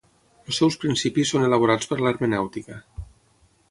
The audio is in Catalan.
Els seus principis són elaborats per l'hermenèutica.